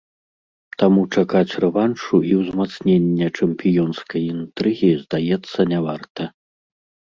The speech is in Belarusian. Таму чакаць рэваншу і ўзмацнення чэмпіёнскай інтрыгі, здаецца, не варта.